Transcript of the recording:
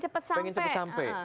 pengen cepat sampai